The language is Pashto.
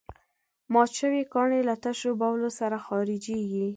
مات شوي کاڼي له تشو بولو سره خارجېږي.